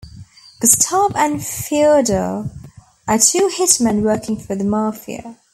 Gustav and Feodor are two hitmen working for the Mafia.